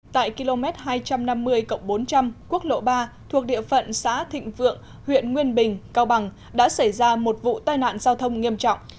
tại km hai trăm năm mươi bốn trăm linh quốc lộ ba thuộc địa phận xã thịnh vượng huyện nguyên bình cao bằng đã xảy ra một vụ tai nạn giao thông nghiêm trọng